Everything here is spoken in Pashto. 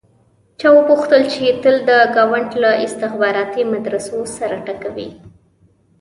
چا وپوښتل چې تل د ګاونډ له استخباراتي مدرسو سر ټکوې.